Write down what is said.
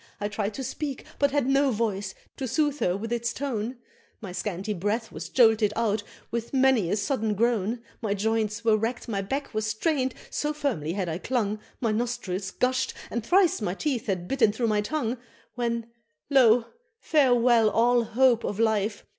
I tried to speak, but had no voice, to soothe her with its tone My scanty breath was jolted out with many a sudden groan My joints were racked my back was strained, so firmly I had clung My nostrils gush'd, and thrice my teeth had bitten through my tongue When lo! farewell all hope of life!